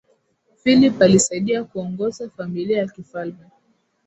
philip alisaidia kuongoza familia ya kifalme